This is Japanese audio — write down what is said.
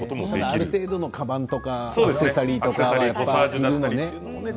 ある程度のかばんとかアクセサリーとかね。